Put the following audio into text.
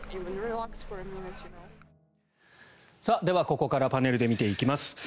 では、ここからパネルで見ていきます。